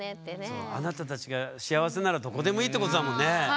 そのあなたたちが幸せならどこでもいいってことだもんね。